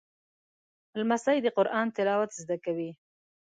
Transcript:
لمسی د قرآن تلاوت زده کوي.